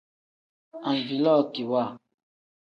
Anvilookiwa.